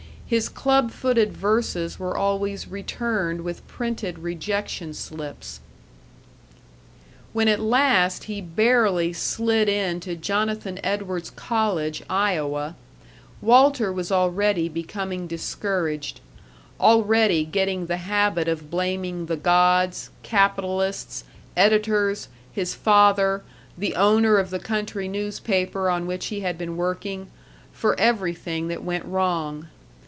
His club footed verses were always returned with printed rejection slips. When at last he barely slid into Jonathan Edwards College, Iowa, Walter was already becoming discouraged; already getting the habit of blaming the gods, capitalists, editors, his father, the owner of the country newspaper on which he had been working, for everything that went wrong.